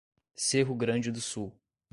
Cerro Grande do Sul